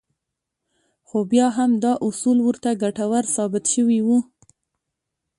خو بيا هم دا اصول ورته ګټور ثابت شوي وو.